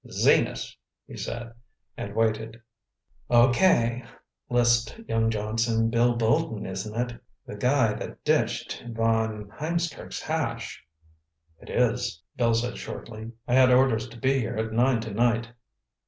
"Zenas!" he said, and waited.... "Okay," lisped young Johnson. "Bill Bolton, isn't it?—The guy that dished von Hiemskirk's hash?" "It is," Bill said shortly. "I had orders to be here at nine tonight."